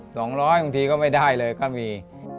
สองร้อยบางทีก็ไม่ได้เลยก็มี